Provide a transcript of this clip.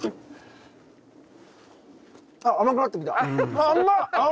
あっ甘くなってきた。